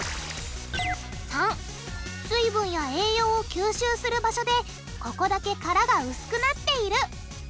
③水分や栄養を吸収する場所でここだけ殻が薄くなっている。